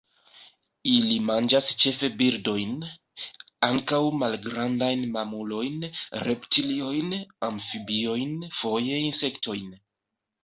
Ili manĝas ĉefe birdojn; ankaŭ malgrandajn mamulojn, reptiliojn, amfibiojn; foje insektojn.